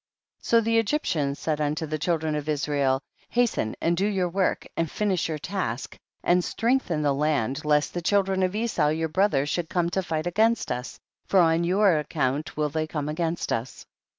7. So the Egyptians said unto the children of Israel, hasten and do your work, and finish your task, and strengthen the land, lest the children of Esau your brethren should come to fight against us, for on your ac count will they come against us. S.